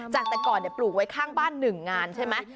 จากแต่ก่อนปลูกไว้ข้างบ้าน๑งานใช่ไหม